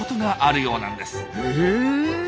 へえ。